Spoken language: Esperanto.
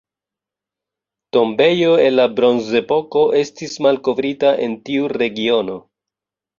Tombejo el la Bronzepoko estis malkovrita en tiu regiono.